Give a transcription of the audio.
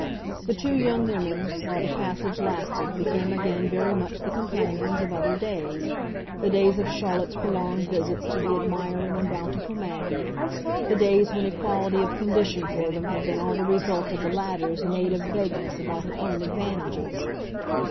The two young women, while the passage lasted, became again very much the companions of other days, the days of Charlotte's prolonged visits to the admiring and bountiful Maggie, the days when equality of condition for them had been all the result of the latter's native vagueness about her own advantages.